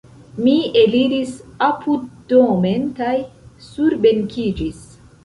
Mi eliris apuddomen kaj surbenkiĝis.